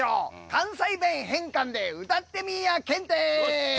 関西弁変換で歌ってみいや検定。